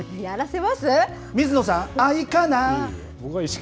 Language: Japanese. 水野さん、愛かな？